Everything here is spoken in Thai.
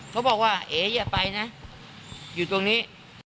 เขาบอกว่าเอ๋อย่าไปนะอยู่ตรงนี้